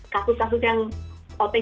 kasus kasus yang otg